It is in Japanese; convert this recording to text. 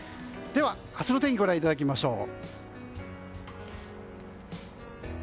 では、明日の天気ご覧いただきましょう。